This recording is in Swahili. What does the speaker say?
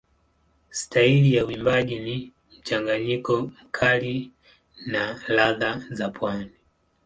Staili ya uimbaji ni mchanganyiko mkali na ladha za pwani.